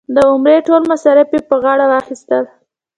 د عمرې ټول مصارف یې په غاړه واخیستل.